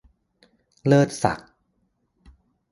เลิศศักดิ์